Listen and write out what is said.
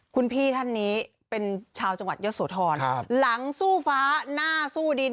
คุณพี่ท่านนี้เป็นชาวจังหวัดเยอะโสธรหลังสู้ฟ้าหน้าสู้ดิน